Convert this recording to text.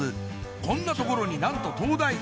こんな所になんと灯台！